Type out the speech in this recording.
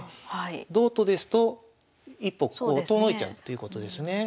同と金ですと一歩遠のいちゃうということですね。